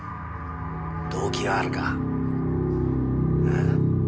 動機はあるか。